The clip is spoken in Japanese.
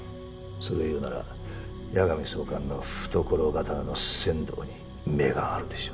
それを言うなら矢上総監の懐刀の千堂に目があるでしょ。